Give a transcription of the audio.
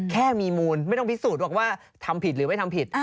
แค่มีมูลไม่ต้องพิสูจน์ว่าทำผิดหรือไม่ทำผิด